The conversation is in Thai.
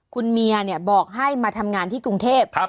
คุณเมียบอกให้มาทำงานที่กรุงเทพ